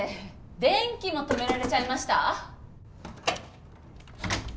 電気も止められちゃいました？